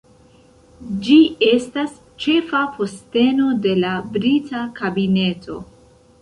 Ĝi estas ĉefa posteno de la Brita Kabineto.